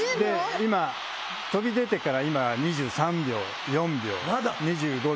今飛び出てから２３秒２４秒２５秒。